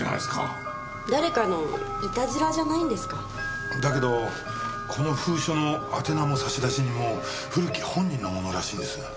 誰かのいたずらじゃないんですか？だけどこの封書の宛名も差出人も古木本人のものらしいんです。